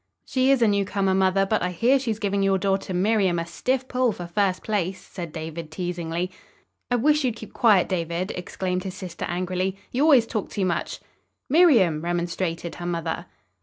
"She is a newcomer, mother, but I hear she's giving your daughter Miriam a stiff pull for first place," said David teasingly. "I wish you'd keep quiet, David," exclaimed his sister angrily. "You always talk too much." "Miriam!" remonstrated her mother.